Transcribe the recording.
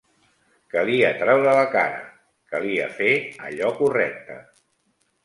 Calia traure la cara, calia fer allò correcte.